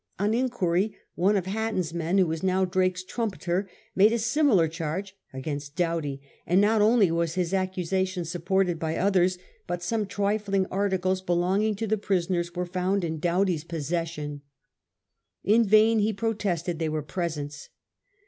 On inquiry, one of Hatton*s men, who was now Drake's trumpeter, made a similar charge against Doughty, and not only was his accusation supported by others, but some trifling articles belonging to the prisoners were found in Doughty's possession. In vain he protested they were presents.